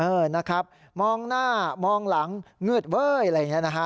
เออนะครับมองหน้ามองหลังมืดเว้ยอะไรอย่างนี้นะฮะ